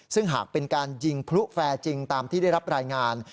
ซึ่งหากเป็นการยิงพลุแฟร์จริงตามที่ได้รับรายงาน